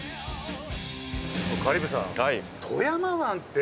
香里武さんはい